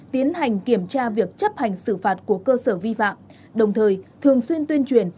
tiến hành kiểm tra việc chấp hành xử phạt của cơ sở vi phạm đồng thời thường xuyên tuyên truyền